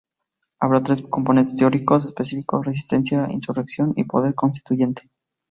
Habrá tres componentes teóricos específicos; "resistencia", "insurrección" y "poder constituyente.